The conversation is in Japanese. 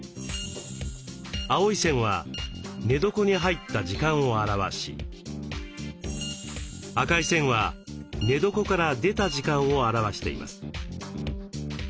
青い線は寝床に入った時間を表し赤い線は寝床から出た時間を表しています。